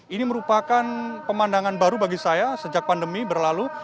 ini merupakan pemandangan baru bagi saya sejak pandemi berlalu